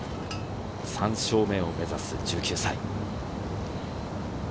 ３勝目を目指す１９歳。